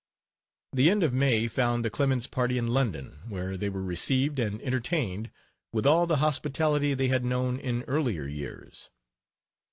The end of May found the Clemens party in London, where they were received and entertained with all the hospitality they had known in earlier years.